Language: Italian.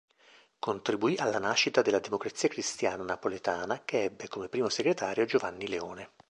Contribuì alla nascita della Democrazia Cristiana napoletana che ebbe come primo segretario Giovanni Leone.